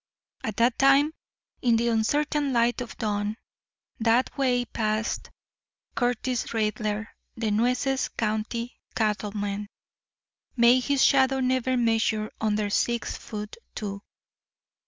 At that time, in the uncertain light of dawn, that way passed Curtis Raidler, the Nueces County cattleman—may his shadow never measure under six foot two.